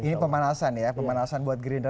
ini pemanasan ya pemanasan buat gerindra